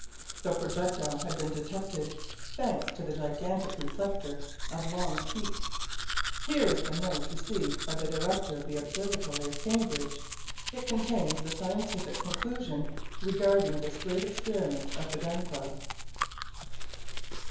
The projectile had been detected, thanks to the gigantic reflector of Long's Peak! Here is the note received by the director of the Observatory of Cambridge. It contains the scientific conclusion regarding this great experiment of the Gun Club.